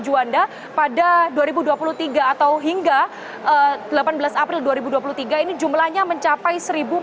di bandara internasional juanda pada dua ribu dua puluh tiga atau hingga delapan belas april dua ribu dua puluh tiga ini jumlahnya mencapai satu empat ratus lima puluh empat